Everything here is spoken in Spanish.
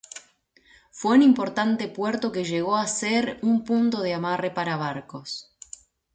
Fue un importante puerto que llegó a ser un punto de amarre para barcos.